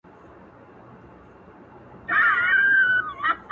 ول کمک را سره وکړه زما وروره،